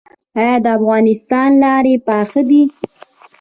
آیا د افغانستان لارې پاخه دي؟